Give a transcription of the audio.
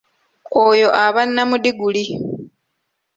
Oyo aba nnamudiguli.